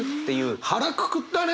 腹くくったね。